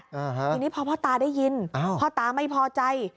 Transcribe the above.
ทีนี้พ่อตาได้ยินพ่อตาไม่พอใจ